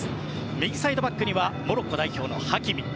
右サイドバックにはモロッコ代表、ハキミ。